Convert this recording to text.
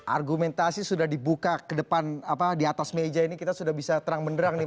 argumentasi sudah dibuka ke depan apa di atas meja ini kita sudah bisa terang benderang nih